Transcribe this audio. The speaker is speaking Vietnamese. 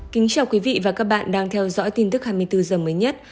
kính chào quý vị và các bạn đang theo dõi tin tức hai mươi bốn h mới nhất